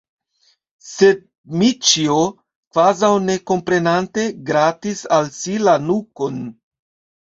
Sed Dmiĉjo, kvazaŭ ne komprenante, gratis al si la nukon.